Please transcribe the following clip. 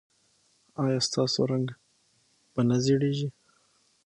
ایا ستاسو رنګ به نه زیړیږي؟